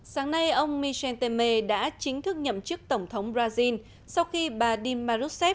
sáng nay ông michel temer đã chính thức nhậm chức tổng thống brazil sau khi bà dilma rousseff